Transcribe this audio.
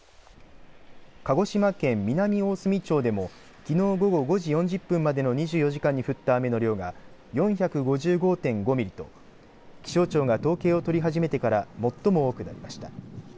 鹿児島県南大隅町でもきのう午後５時４０分までの２４時間に降った雨の量が４５５．５ミリと気象庁が統計を取り始めてから最も多くなりました。